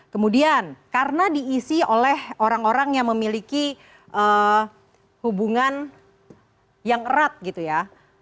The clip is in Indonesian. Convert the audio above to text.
kemudian karena diisi oleh orang orang yang memiliki hubungan yang erat gitu ya